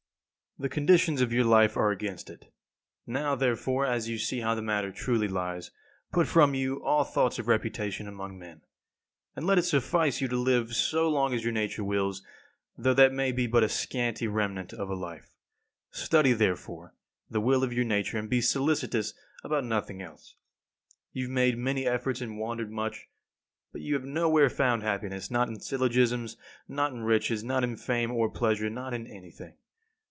The conditions of your life are against it. Now therefore, as you see how the matter truly lies, put from you all thoughts of reputation among men; and let it suffice you to live so long as your nature wills, though that be but the scanty remnant of a life. Study, therefore, the will of your nature, and be solicitous about nothing else. You have made many efforts and wandered much, but you have nowhere found happiness; not in syllogisms, not in riches, not in fame or pleasure, not in anything.